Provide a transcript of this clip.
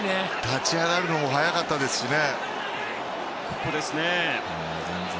立ち上がるのも速かったですしね。